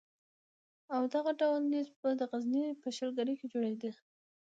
او دغه ډول نېزې به د غزني په شلګر کې جوړېدې.